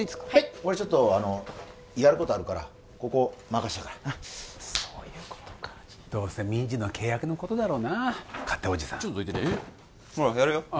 俺ちょっとやることあるからここ任せたからそういうことかどうせ民事の契約のことだろうな勝手おじさんちょっとどいてねほらやるよああ